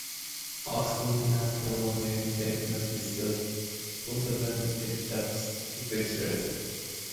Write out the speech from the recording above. Oxford Nanopore technologies sells portable and desktop sequencers.